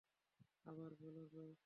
আবার বলো তো।